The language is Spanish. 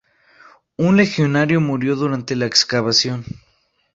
Un legionario murió durante la excavación.